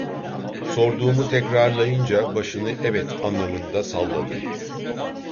Sorduğumu tekrarlayınca başını "evet" anlamında salladı.